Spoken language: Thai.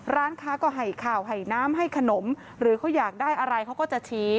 ร้านค้าก็ให้ข่าวให้น้ำให้ขนมหรือเขาอยากได้อะไรเขาก็จะชี้